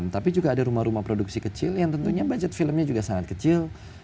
tapi juga ada rumah rumah produksi kecil yang tentunya budget filmnya juga sangat kecil